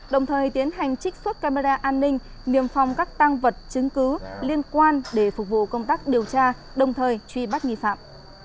đồng thời tiến hành trích xuất camera an ninh niềm phòng các tăng vật chứng cứ liên quan để phục vụ công tác điều tra đồng thời truy bắt nghi phạm